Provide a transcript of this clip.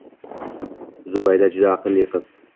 Zubayda juda aqlli qiz